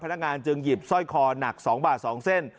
พนักงานจึงหยิบสร้อยคอหนัก๒บาท๒เส้น